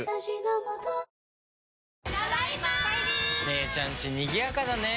姉ちゃんちにぎやかだね。